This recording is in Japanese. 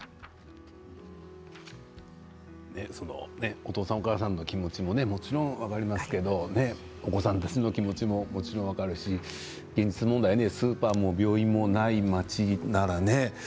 お父さん、お母さんの気持ちももちろん分かりますけどお子さんたちの気持ちももちろん分かるし現実問題、スーパーも病院もない町なんだね。